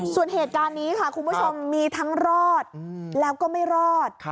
ส่วนเหตุการณ์นี้ค่ะคุณผู้ชมมีทั้งรอดแล้วก็ไม่รอด